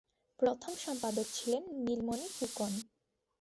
প্রথম সম্পাদক ছিলেন নীলমণি ফুকন।